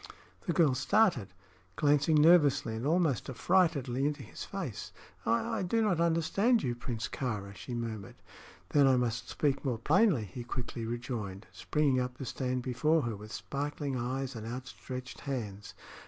The girl started, glancing nervously and almost affrightedly into his face. "I I do not understand you, Prince Kāra," she murmured. "Then I must speak more plainly," he quickly rejoined, springing up to stand before her with sparkling eyes and outstretched hands.